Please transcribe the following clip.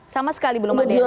sama sekali belum ada yang